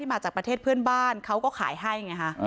มาจากประเทศเพื่อนบ้านเขาก็ขายให้ไงฮะ